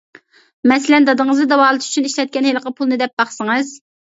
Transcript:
مەسىلەن: «دادىڭىزنى داۋالىتىش ئۈچۈن ئىشلەتكەن ھېلىقى پۇلنى دەپ باقسىڭىز» .